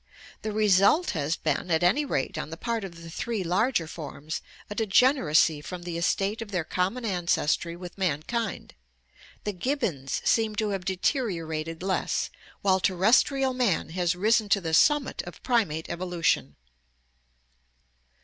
The result has been, at any rate on the part of the three larger forms, a degeneracy from the estate of their common ancestry with mankind; the gibbons seem to have deterio rated less, while terrestrial man has risen to the summit of primate evolution.